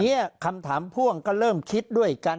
คำถามพ่วงก็เริ่มคิดด้วยกัน